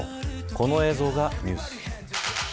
この映像がニュース。